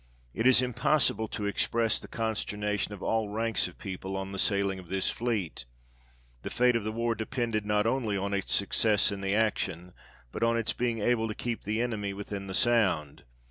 It is impossible to express the consternation of all ranks of people on A DISASTER AT SEA. 13 the sailing of this fleet ; the fate of the war depended not only on its success in the action, but on its being able to keep the enemy within the Sound.